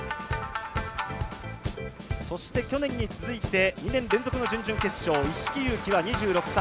そして、去年に続いて２年連続の準々決勝一色勇輝は２６歳。